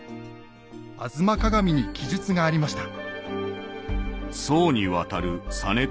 「吾妻鏡」に記述がありました。